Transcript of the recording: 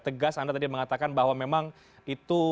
tegas anda tadi mengatakan bahwa memang itu